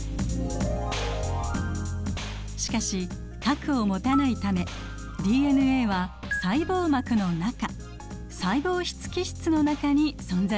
しかし核を持たないためＤＮＡは細胞膜の中細胞質基質の中に存在しています。